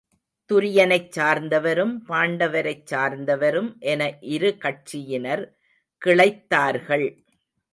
துரியனைச் சார்ந்தவரும் பாண்டவரைச் சார்ந்தவரும் என இரு கட்சியினர் கிளைத் தார்கள்.